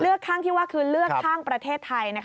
ข้างที่ว่าคือเลือกข้างประเทศไทย